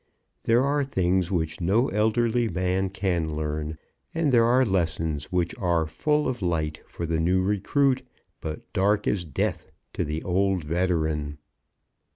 There are things which no elderly man can learn; and there are lessons which are full of light for the new recruit, but dark as death to the old veteran.